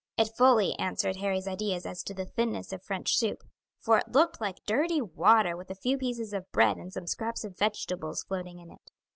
It fully answered Harry's ideas as to the thinness of French soup, for it looked like dirty water with a few pieces of bread and some scraps of vegetables floating in it.